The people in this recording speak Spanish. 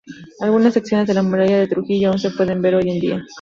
Algunas secciones de la muralla de Trujillo aún se pueden ver hoy en día.